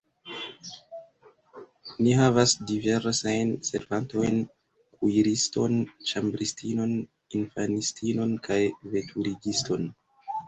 Ni havas diversajn servantojn: kuiriston, ĉambristinon, infanistinon kaj veturigiston.